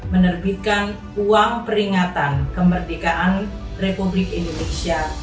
menerbitkan uang peringatan kemerdekaan republik indonesia